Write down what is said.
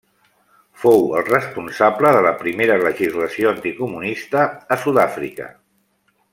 Fou el responsable de la primera legislació anticomunista a Sud-àfrica.